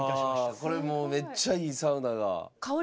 いやこれもうめっちゃいいサウナが。